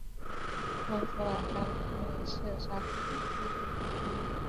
奉司马昭之命弑害魏帝曹髦。